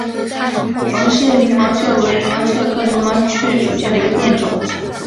冯氏鳞毛蕨为鳞毛蕨科鳞毛蕨属下的一个变种。